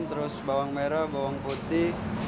terus bawang merah bawang putih